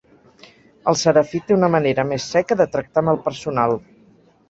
El Serafí té una manera més seca de tractar amb el personal.